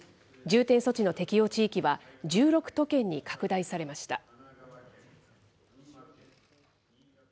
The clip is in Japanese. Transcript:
重点措置の適用地域は、１６都県に拡大されました。